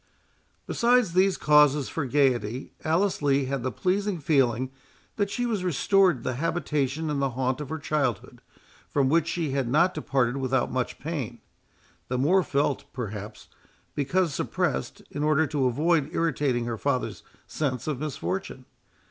Besides these causes for gaiety, Alice Lee had the pleasing feeling that she was restored to the habitation and the haunts of her childhood, from which she had not departed without much pain, the more felt, perhaps, because suppressed, in order to avoid irritating her father's sense of his misfortune.